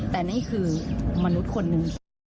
แต่นี่คือมนุษย์คนหนึ่ง